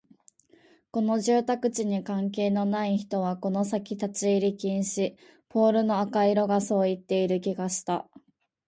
この住宅地に関係のない人はこの先立ち入り禁止、ポールの赤色がそう言っている気がした